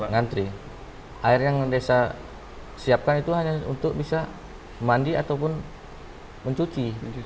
ngantri air yang desa siapkan itu hanya untuk bisa mandi ataupun mencuci